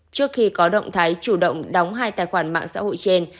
trước khi có động thái chủ động đóng hai tài khoản mạng xã hội trên